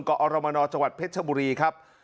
กอรมนจังหวัดเพชรชบุรีครับ